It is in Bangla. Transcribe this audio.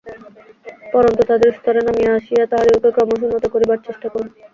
পরন্তু তাহাদের স্তরে নামিয়া আসিয়া তাহাদিগকে ক্রমশ উন্নত করিবার চেষ্টা করুন।